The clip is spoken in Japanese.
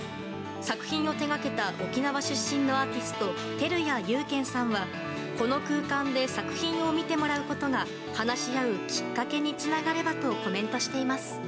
作品を手掛けた沖縄出身のアーティスト、照屋勇賢さんはこの空間で作品を見てもらうことが話し合うきっかけにつながればとコメントしています。